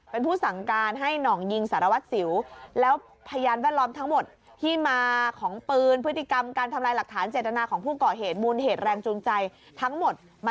เป็นผู้สั่งการให้หน่องยิงสารวัตสิว